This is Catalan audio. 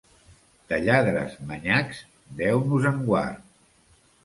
De lladres manyacs, Déu nos en guard!